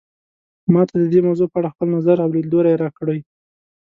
ما ته د دې موضوع په اړه خپل نظر او لیدلوری راکړئ